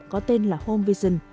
có tên là home vision